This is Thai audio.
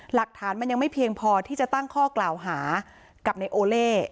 หลักฐานมันยังไม่เพียงพอที่จะตั้งข้อกล่าวหากับในโอเล่